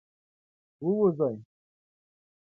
ووځی.